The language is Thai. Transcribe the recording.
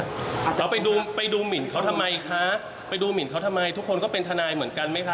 เราไปดูไปดูหมินเขาทำไมคะไปดูหมินเขาทำไมทุกคนก็เป็นทนายเหมือนกันไหมคะ